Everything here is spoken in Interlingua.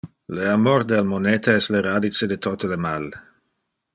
Le amor del moneta es le radice de tote le mal.